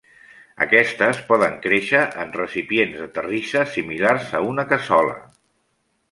Aquestes poden créixer en recipients de terrissa similars a una cassola.